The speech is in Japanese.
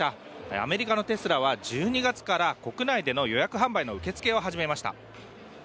アメリカのテスラは１２月から国内での予約販売の受け付けを始めました。